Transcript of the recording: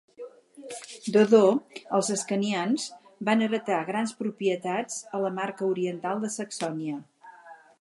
D'Odó, els ascanians van heretar grans propietats a la Marca Oriental de Saxònia.